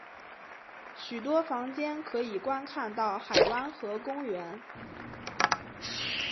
许多房间可以观看到海湾和公园。